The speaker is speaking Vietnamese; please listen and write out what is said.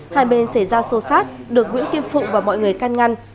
hai bên xảy ra sâu sát được nguyễn kim phụ và mọi người can ngăn